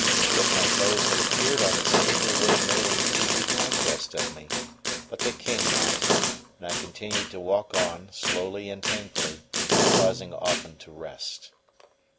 If my foes had appeared on the scene they would have made an easy conquest of me; but they came not, and I continued to walk on, slowly and painfully, pausing often to rest.